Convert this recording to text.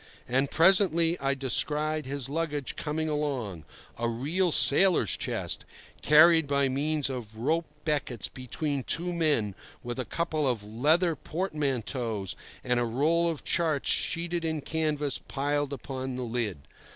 And presently I descried his luggage coming along—a real sailor's chest, carried by means of rope beckets between two men, with a couple of leather portmanteaus and a roll of charts sheeted in canvas piled upon the lid.